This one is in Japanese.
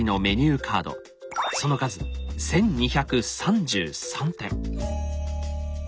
その数１，２３３点。